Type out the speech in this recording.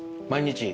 毎日？